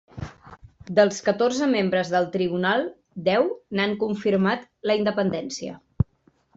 Dels catorze membres del tribunal, deu n'han confirmat la independència.